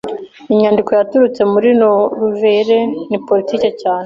Inyandiko yaturutse muri Noruveje ni politiki cyane